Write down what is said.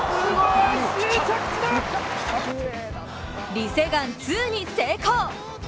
リセガンツーに成功。